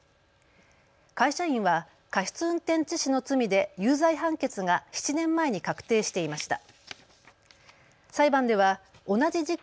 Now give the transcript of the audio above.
会社員は過失運転致死の罪で有罪判決が７年前に確定していました。